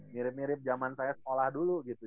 mirip mirip zaman saya sekolah dulu gitu